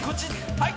はい。